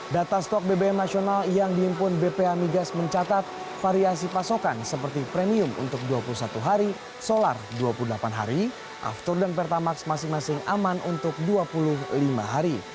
data stok bbm nasional yang dihimpun bpa migas mencatat variasi pasokan seperti premium untuk dua puluh satu hari solar dua puluh delapan hari aftur dan pertamax masing masing aman untuk dua puluh lima hari